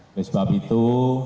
oleh sebab itu